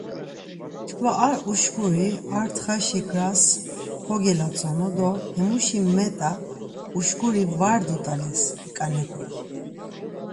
Çkva ar uşkuri ar txaşi kras kogelatsonu do hemuşi met̆a uşkuri var dut̆ales tiǩanepek.